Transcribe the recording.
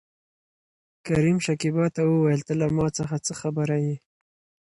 کريم شکيبا ته وويل ته له ما څخه څه خبره يې؟